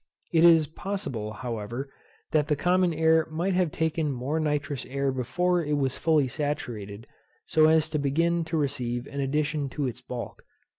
It is possible, however, that the common air might have taken more nitrous air before it was fully saturated, so as to begin to receive an addition to its bulk.